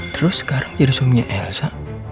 terus sekarang jadi suaminya elsa